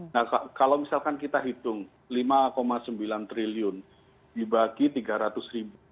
nah kalau misalkan kita hitung lima sembilan triliun dibagi tiga ratus ribu